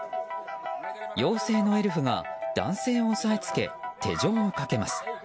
妖精のエルフが男性を押さえつけ手錠をかけます。